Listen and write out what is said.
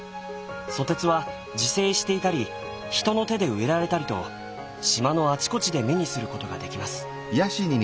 ソテツは自生していたり人の手で植えられたりと島のあちこちで目にすることができます。